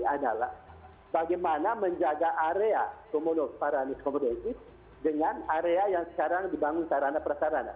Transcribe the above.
adalah bagaimana menjaga area komodo para komodesis dengan area yang sekarang dibangun sarana perasaran